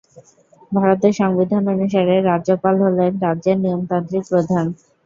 ভারতের সংবিধান অনুসারে, রাজ্যপাল হলেন রাজ্যের নিয়মতান্ত্রিক প্রধান।